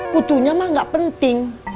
kutunya mah nggak penting